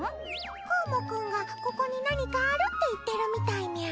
くぅもくんがここに何かあるって言ってるみたいみゃ。